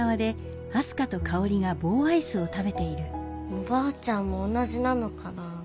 おばあちゃんも同じなのかな？